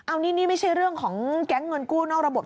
อันนี้นี่ไม่ใช่เรื่องของแก๊งเงินกู้นอกระบบ